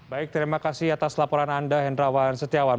baik terima kasih atas laporan anda hendrawan setiawan